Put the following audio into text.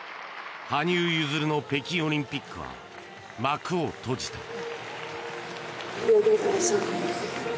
羽生結弦の北京オリンピックは幕を閉じた。